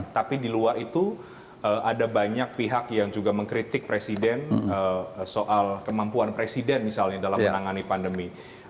tapi di luar itu ada banyak pihak yang juga mengkritik presiden soal kemampuan presiden misalnya dalam menangani pandemi